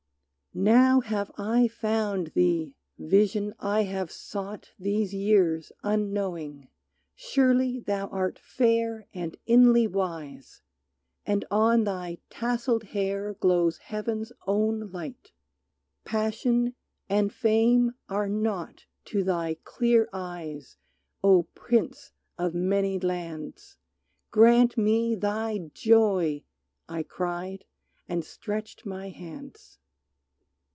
"Now have I found thee, Vision I have sought These years, unknowing; surely thou art fair And inly wise, and on thy tasselled hair Glows Heaven's own light. Passion and fame are naught To thy clear eyes, O Prince of many lands, Grant me thy joy," I cried, and stretched my hands.